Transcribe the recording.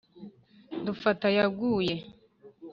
Dufata ayaguye